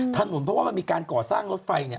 ถนนเพราะว่ามันมีการก่อสร้างรถไฟเนี่ย